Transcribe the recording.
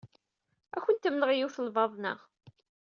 Ad akent-mmleɣ yiwet n lbaḍna.